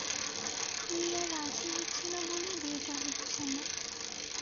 মিয়া রাজি হচ্ছে না বলেই বিয়েটা হচ্ছে না।